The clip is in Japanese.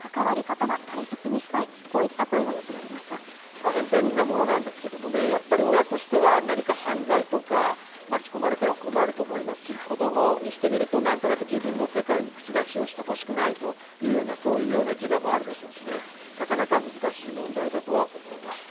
大変便利なものなんですけれどもね、親としては、何か犯罪とか巻き込まれては困ると思いますし、子供にしてみると、なんとなく自分の世界に口出ししてほしくないというような自我もあるでしょうしなかなか難しい問題だとは思います。